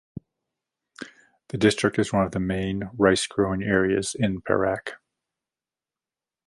The district is one of the main rice-growing areas in Perak.